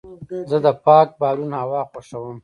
زه د پاک بالون هوا خوښوم.